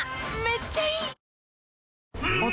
めっちゃいい！